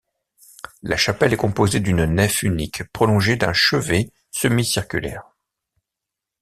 La chapelle est composée d’une nef unique prolongée d’un chevet semi circulaire.